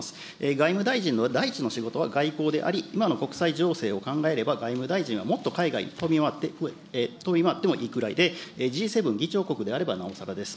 外務大臣の第一の仕事は外交であり、今の国際情勢を考えれば外務大臣はもっと海外に飛び回って、飛び回ってもいいくらいで、Ｇ７議長国であればなおさらです。